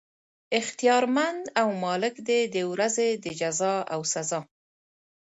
اختيار مند او مالک دی د ورځي د جزاء او سزاء